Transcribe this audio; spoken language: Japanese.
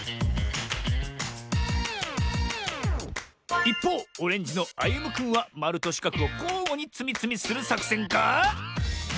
いっぽうオレンジのあゆむくんはまるとしかくをこうごにつみつみするさくせんか？